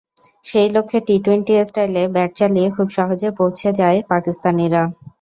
সেই লক্ষ্যে টি-টোয়েন্টি স্টাইলে ব্যাট চালিয়ে খুব সহজেই পৌঁছে যায় পাকিস্তানিরা।